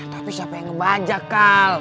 tapi siapa yang ngebajak kal